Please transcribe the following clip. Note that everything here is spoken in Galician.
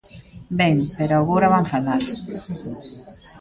Ben, pero agora van falar.